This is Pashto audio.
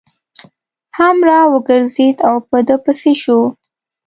هم را وګرځېد او په ده پسې شو.